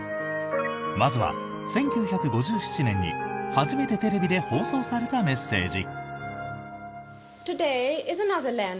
まずは、１９５７年に初めてテレビで放送されたメッセージ。